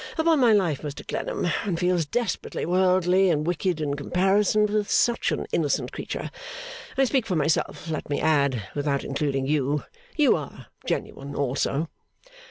Upon my life Mr Clennam, one feels desperately worldly and wicked in comparison with such an innocent creature. I speak for myself, let me add, without including you. You are genuine also.